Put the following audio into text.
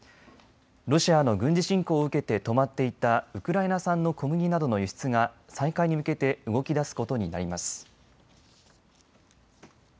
ロシアの軍事侵攻を受けて止まっていたウクライナ産の小麦などの輸出が再開に向けて動きだすことになります。